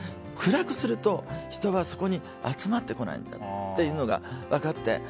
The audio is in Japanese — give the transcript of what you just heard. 暗くすると、人はそこに集まってこないんだっていうのが分かって。